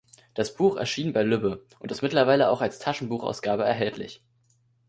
Das Buch erschien bei Lübbe und ist mittlerweile auch als Taschenbuchausgabe erhältlich.